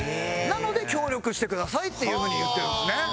なので協力してくださいっていうふうに言ってるんですね。